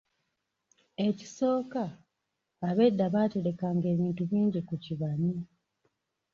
Ekisooka, abedda baaterekanga ebintu bingi ku kibanyi.